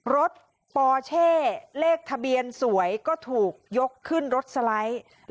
รถปอเช่เลขทะเบียนสวยก็ถูกยกขึ้นรถสไลด์